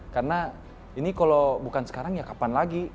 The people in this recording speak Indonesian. karena ini kalau bukan sekarang ya kapan lagi